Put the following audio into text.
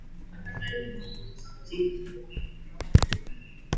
na ọnatarachi dị iche iche ndị Igbo nwere